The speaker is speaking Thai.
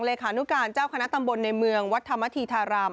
เหลศนุการเจ้าคณะตำบลในเมืองวัฒนธรรม